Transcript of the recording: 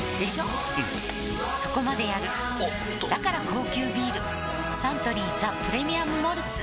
うんそこまでやるおっとだから高級ビールサントリー「ザ・プレミアム・モルツ」